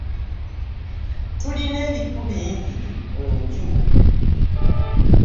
Tulina ebiku bingi mu nju.